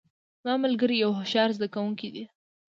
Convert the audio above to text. زما ملګری یو هوښیار زده کوونکی ده